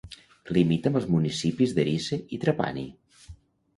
Limita amb els municipis d'Erice i Trapani.